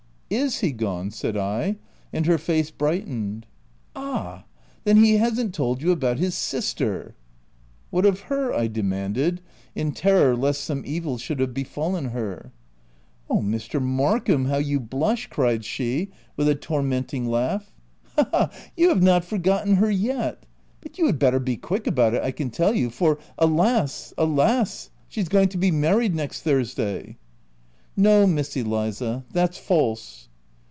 " Is he gone?'* said I, and her face bright ened. "Ah ! then he hasn't told you about his sister?" " What of her ?' 3 I demanded, in terror lest some evil should have befallen her. " Oh, Mr. Markham, how you blush !"' cried OF WILDFELL HALL. 277 she with a tormenting laugh. " Ha, ha, you have not forgotten her yet ! But you had better be quick about it, I can tell you, for — alas, alas !— she's going to be married next Thursday!" " No, Miss Eliza ! that's false."